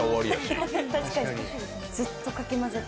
ずっとかき混ぜてる。